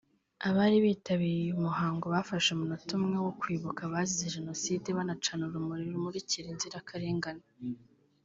Abari bitabiriye uyu muhango bafashe umunota umwe wo kwibuka abazize Jenoside banacana urumuri rumurikira inzirakarengane